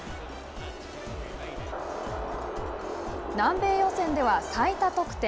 南米予選では、最多得点。